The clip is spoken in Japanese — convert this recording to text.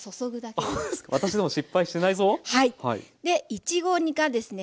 いちごがですね